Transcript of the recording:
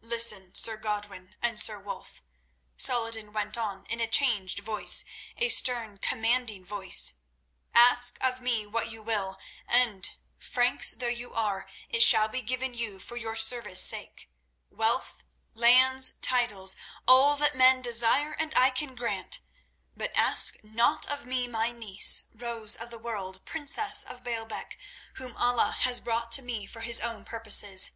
Listen, Sir Godwin and Sir Wulf," Saladin went on in a changed voice, a stern, commanding voice. "Ask of me what you will, and, Franks though you are, it shall be given you for your service's sake—wealth, lands, titles, all that men desire and I can grant—but ask not of me my niece, Rose of the World, princess of Baalbec, whom Allah has brought to me for His own purposes.